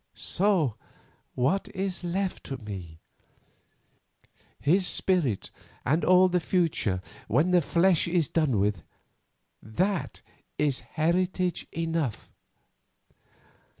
So what is left to me? His spirit and all the future when the flesh is done with; that is heritage enough.